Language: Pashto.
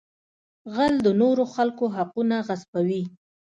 غل د نورو خلکو حقونه غصبوي